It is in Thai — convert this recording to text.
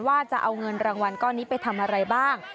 ว่าจะเอาเงินรางวัลก้อนนี้ไปทำอะไรบ้าง